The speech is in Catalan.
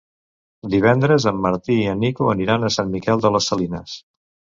Divendres en Martí i en Nico aniran a Sant Miquel de les Salines.